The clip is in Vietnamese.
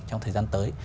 trong thời gian tới